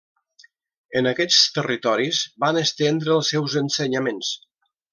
En aquests territoris van estendre els seus ensenyaments.